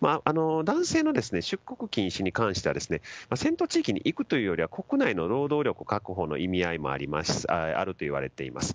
男性の出国禁止に関しては戦闘地域に行くというよりは国内の労働力確保の意味合いもあるといわれています。